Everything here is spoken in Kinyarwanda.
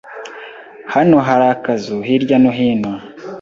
Hano hari akazu hirya no hino.